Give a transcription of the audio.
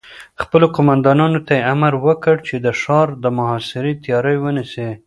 خپلو قوماندانانو ته يې امر وکړ چې د ښار د محاصرې تياری ونيسي.